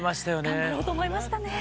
頑張ろうと思いましたね。